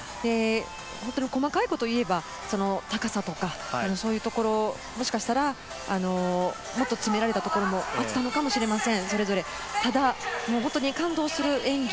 細かいことを言えば高さとか、そういうところ、もしかしたら、もっと詰められたところもあったのかもしれません。